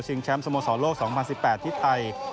แชมป์สโมสรโลก๒๐๑๘ที่ไทย